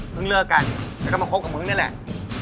เลิกกันแล้วก็มาคบกับมึงนี่แหละ